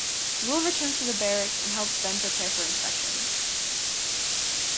Will returns to the barracks and helps Ben prepare for inspection.